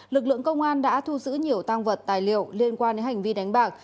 lực lượng công an đã thu giữ nhiều tăng vật tài liệu liên quan đến hành vi đánh bạc